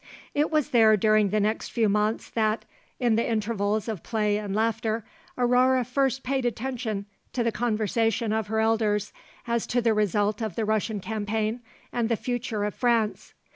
It was there during the next few months that, in the intervals of play and laughter, Aurore first paid attention to the conversation of her elders as to the result of the Russian campaign and the future of France.